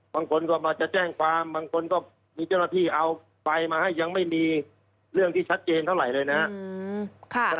บางคนก็มาจะแจ้งความบางคนก็มีเจ้าหน้าที่เอาไฟมาให้ยังไม่มีเรื่องที่ชัดเจนเท่าไหร่เลยนะครับ